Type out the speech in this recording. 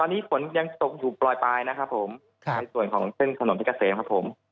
ตอนนี้ฝนยังตกอยู่บรอยปลายนะครับผมในส่วนของเส้นขนมที่กระแสครับผม